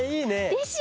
でしょ！